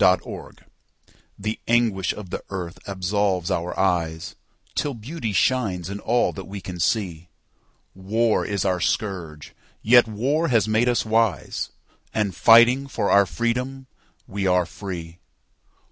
Absolution THE ANGUISH of the earth absolves our eyesTill beauty shines in all that we can see. War is our scourge; yet war has made us wise, And, fighting for our freedom, we are free.